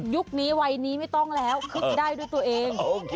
ยุคนี้วัยนี้ไม่ต้องแล้วคึกได้ด้วยตัวเอง